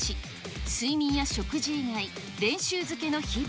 睡眠や食事以外、練習漬けの日々。